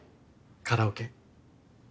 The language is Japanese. カラオケ。